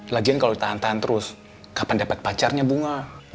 lagian kalau ditahan tahan terus kapan dapat pacarnya bunga